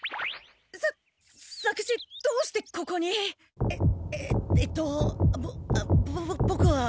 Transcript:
さ左吉どうしてここに？えええっとボボクは。